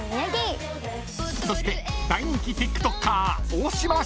［そして大人気ＴｉｋＴｏｋｅｒ］